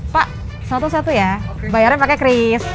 pak satu satu ya bayarnya pakai cris